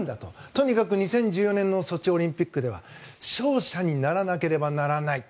とにかく２０１４年のソチオリンピックでは勝者にならなければならない。